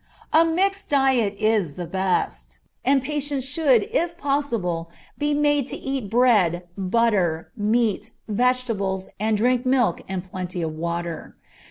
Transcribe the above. A mixed diet is the best, and patients should if possible be made to eat bread, butter, meat, vegetables, and drink milk and plenty of water.